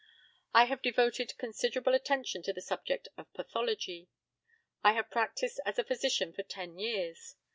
I have devoted considerable attention to the subject of pathology. I have practised as a physician for ten years.